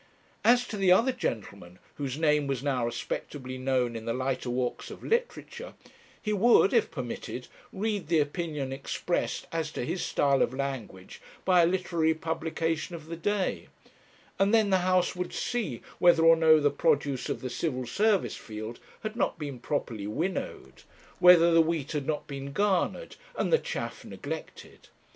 'As to the other gentleman, whose name was now respectably known in the lighter walks of literature, he would, if permitted, read the opinion expressed as to his style of language by a literary publication of the day; and then the House would see whether or no the produce of the Civil Service field had not been properly winnowed; whether the wheat had not been garnered, and the chaff neglected.'